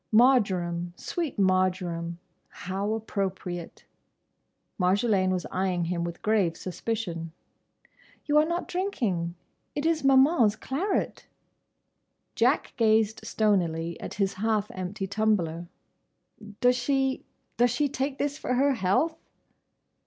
Marjoram—sweet Marjoram—how appropriate!" Marjolaine was eyeing him with grave suspicion. "You are not drinking. It is Maman's claret!" Jack gazed stonily at his half empty tumbler. "Does she—does she take this for her health?"